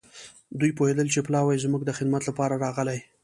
دوی پوهېدل چې پلاوی زموږ د خدمت لپاره راغلی.